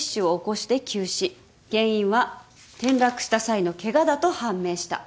原因は転落した際のケガだと判明した。